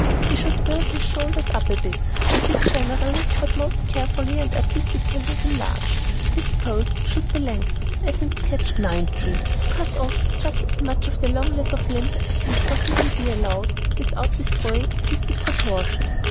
He should build his shoulders up a bit and be generally, but most carefully and artistically, enlarged. His coat should be lengthened, as in sketch go, to cut off just as much of the longness of limb as can possibly be allowed without destroying artistic proportions.